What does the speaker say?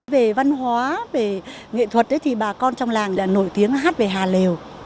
về văn hóa về nghệ thuật thì bà con trong làng đã nổi tiếng hát về hà lều